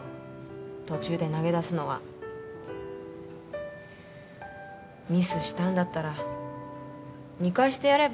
途中で投げ出すのはミスしたんだったら見返してやれば？